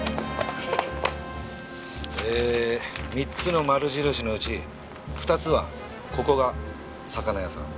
えー３つの丸印のうち２つはここが魚屋さん。